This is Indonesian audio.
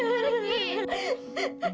semoga kamu menemukan jalan yang benar